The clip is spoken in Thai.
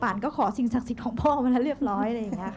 ปานก็ขอซิ่งสักศิกดิ์ของพ่อมันและเรียบร้อย